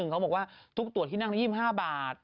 เขาบอกว่าทุกตรวจที่นั่งละ๒๕บาท